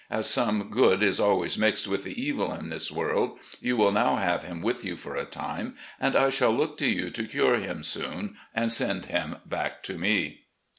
As some good is always mixed with the evil in this world, you will now have him with you for a time, and I shall look to you to cure him soon and send him back to me.